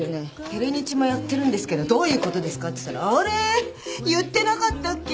「テレ日もやってるんですけどどういうことですか？」って言ったら「あれー？言ってなかったっけ？」